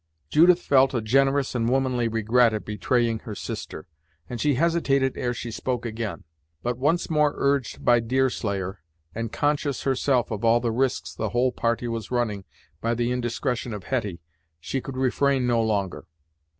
Judith felt a generous and womanly regret at betraying her sister, and she hesitated ere she spoke again. But once more urged by Deerslayer, and conscious herself of all the risks the whole party was running by the indiscretion of Hetty, she could refrain no longer.